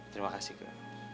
terima kasih keke